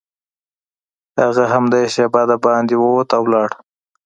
هغه همدا شېبه دباندې ووت او لاړ